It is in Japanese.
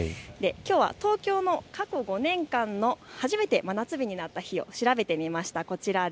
きょうは東京の過去５年間の初めて真夏日になった日を調べてみました。